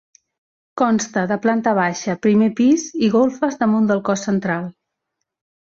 Consta de planta baixa, primer pis, i golfes damunt el cos central.